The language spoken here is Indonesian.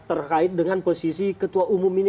terkait dengan posisi ketua umum ini